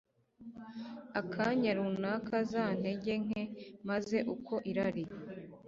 akanya runaka za ntege nke Maze uko irari